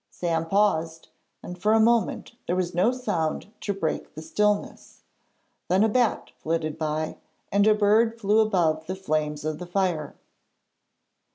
Sam paused, and for a moment there was no sound to break the stillness. Then a bat flitted by, and a bird flew above the flames of the fire.